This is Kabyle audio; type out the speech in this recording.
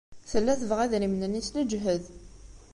Tella tebɣa idrimen-nni s leǧhed.